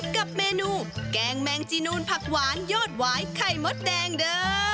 กับเมนูแกงแมงจีนูนผักหวานยอดหวายไข่มดแดงเด้อ